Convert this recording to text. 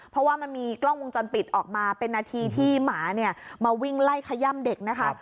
เพราะว่ามันมีกล้องวงจรปิดออกมาเป็นนาทีที่หมาเนี่ยมาวิ่งไล่ขย่ำเด็กนะคะ